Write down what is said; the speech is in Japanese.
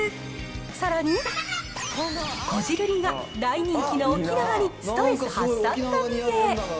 さらに、こじるりが大人気の沖縄にストレス発散旅へ。